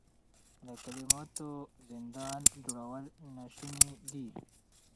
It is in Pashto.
د کلماتو زندان جوړول ناشوني دي.